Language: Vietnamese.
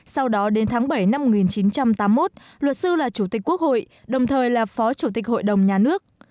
sau đó đến tháng bảy năm một nghìn chín trăm tám mươi một luật sư là chủ tịch quốc hội đồng thời là phó chủ tịch hội đồng nhà nước